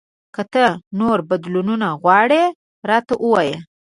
که ته نور بدلونونه غواړې، راته ووایه !